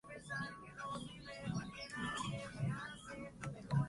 Hasta su crisis, esta cadena agrupaba todos los contenidos económicos que emitía Intereconomía.